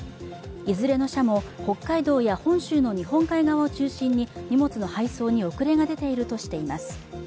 いずれの社も北海道や本州の日本海側を中心に荷物の配送に遅れが出ているとしています。